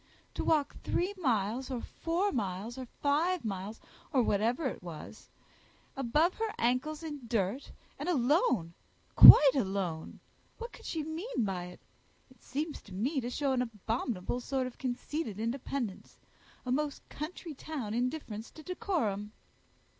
"To walk three miles, or four miles, or five miles, or whatever it is, above her ancles in dirt, and alone, quite alone! what could she mean by it? It seems to me to show an abominable sort of conceited independence, a most country town indifference to decorum."